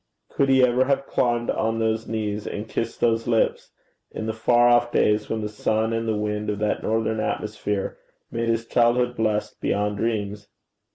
Could he ever have climbed on those knees and kissed those lips, in the far off days when the sun and the wind of that northern atmosphere made his childhood blessed beyond dreams?